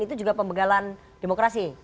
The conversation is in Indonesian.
itu juga pembegalan demokrasi